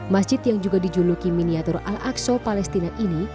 masjid yang juga dijuluki miniatur al aqsa palestina ini